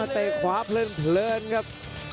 เตะขวาเพลินครับ